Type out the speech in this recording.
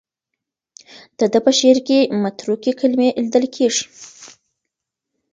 د ده په شعر کې متروکې کلمې لیدل کېږي.